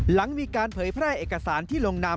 หลังมีการเผยแพร่เอกสารที่ลงนาม